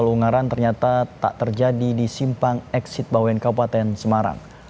pergi tol ungaran ternyata tak terjadi di simpang exit bawain kabupaten semarang